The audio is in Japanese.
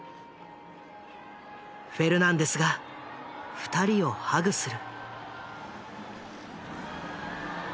フェルナンデスが２人をハグする。